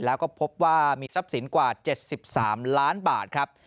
แล้วก็พบว่ามีทรัพย์สินกว่า๗๓ล้านบาทครับ